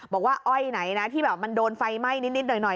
อ้อยไหนนะที่แบบมันโดนไฟไหม้นิดหน่อย